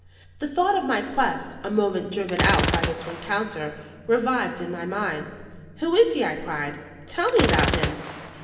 The thought of my quest, a moment driven out by this rencounter, revived in my mind. "Who is he?" I cried. "Tell me about him."